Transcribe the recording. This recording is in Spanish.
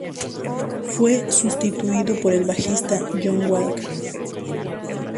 Fue sustituido por el bajista Jon Walker.